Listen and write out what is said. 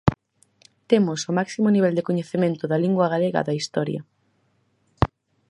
Temos o máximo nivel de coñecemento da lingua galega da historia.